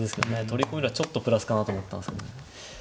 取り込めればちょっとプラスかなと思ったんですけどね。